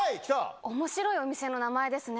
おもしろいお店の名前ですね。